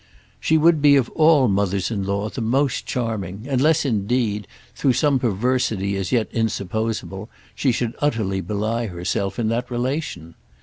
She would be of all mothers in law the most charming; unless indeed, through some perversity as yet insupposeable, she should utterly belie herself in that relation.